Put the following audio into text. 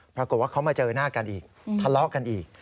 ปรากฏว่าเขามาเจอหน้ากันอีกทะเลาะกันอีก